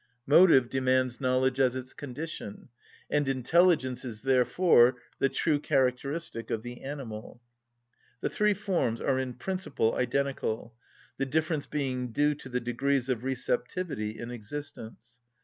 Motive demands knowledge as its condition, and intelligence is therefore the true characteristic of the animal. The three forms are in principle identical, the difference being due to the degrees of receptivity in existence.